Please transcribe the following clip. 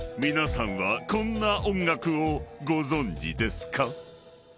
［皆さんはこんな音楽をご存じですか？］